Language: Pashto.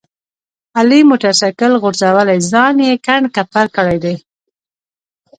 علي موټر سایکل غورځولی ځان یې کنډ کپر کړی دی.